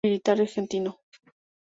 Militar argentino.